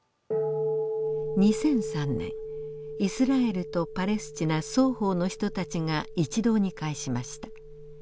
２００３年イスラエルとパレスチナ双方の人たちが一堂に会しました。